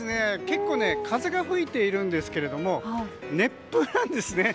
結構風が吹いているんですが熱風なんですね。